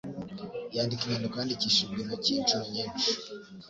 Yandika inyandiko yandikishijwe intoki inshuro nyinshi.